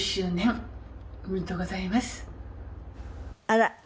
あら！